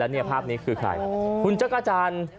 แล้วเนี่ยภาพนี้คือใครคุณจักรจัน